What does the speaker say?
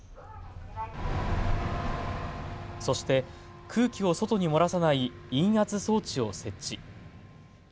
そして、空気を外に漏らさない陰圧装置を設置。